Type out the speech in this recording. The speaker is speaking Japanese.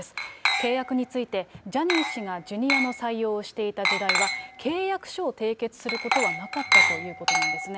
契約について、ジャニー氏がジュニアの採用をしていた時代は、契約書を締結することはなかったということなんですね。